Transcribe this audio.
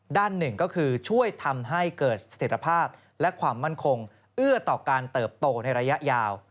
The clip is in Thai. ด้านหนึ่งก็คือช่วยทำให้เกิดสถิตภาพและความมั่นคงเอื้อต่อการเติบโตในระยะยาว